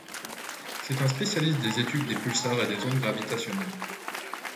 C'est un spécialiste des études des pulsars et des ondes gravitationnelles.